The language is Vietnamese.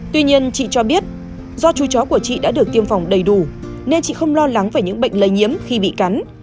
tuy nhiên chị cho biết do chú chó của chị đã được tiêm phòng đầy đủ nên chị không lo lắng về những bệnh lây nhiễm khi bị cắn